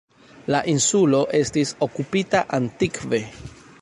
La insulo estis okupita antikve.